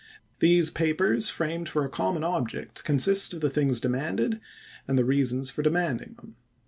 These papers, framed for a common object, consist of the things demanded and the reasons for demanding them.